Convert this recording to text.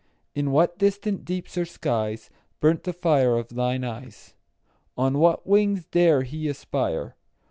In what distant deeps or skies 5 Burnt the fire of thine eyes? On what wings dare he aspire?